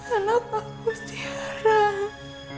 anak aku si haram